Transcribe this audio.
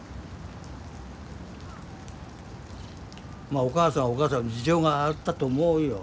まあお母さんはお母さんの事情があったと思うよ。